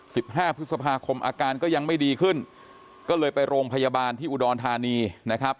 ห้าพฤษภาคมอาการก็ยังไม่ดีขึ้นก็เลยไปโรงพยาบาลที่อุดรธานีนะครับ